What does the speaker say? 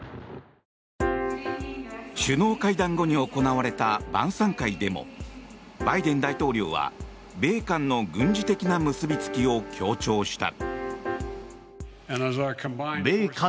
首脳会談後に行われた晩さん会でもバイデン大統領は米韓の軍事的な結びつきを強調した。